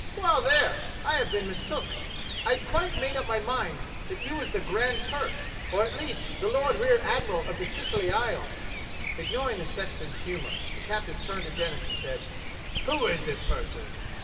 "Well, there, I have been mistook. I'd quite made up my mind that you was the Grand Turk or at least the Lord Rear Admiral of the Scilly Isles." Ignoring the sexton's humour, the captain turned to Denis and said :'' Who is this person